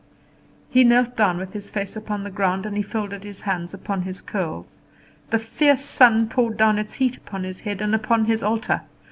He knelt down with his face upon the ground, and he folded his hands upon his curls. The fierce sun poured down its heat upon his head and upon his altar.